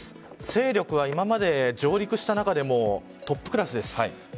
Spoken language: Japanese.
勢力は今まで上陸した中でもトップクラスです。